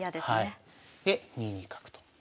で２二角と。